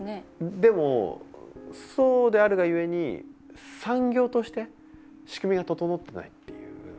でもそうであるがゆえに産業として仕組みが整ってないっていう。